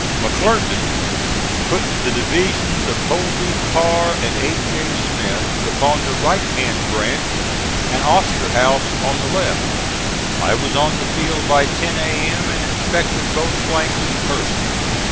McClernand put the divisions of Hovey, Carr and A. J. Smith upon the right hand branch and Osterhaus on the left. I was on the field by ten A.M., and inspected both flanks in person.